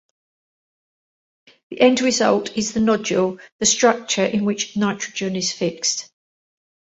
The end result is the nodule, the structure in which nitrogen is fixed.